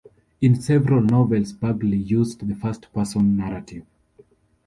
In several novels Bagley used the first-person narrative.